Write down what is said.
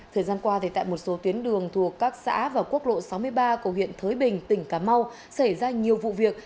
thời gian qua tại một số tuyến đường thuộc các xã và quốc lộ sáu mươi ba của huyện thới bình tỉnh cà mau xảy ra nhiều vụ việc